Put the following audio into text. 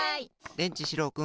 でんちしろうくん。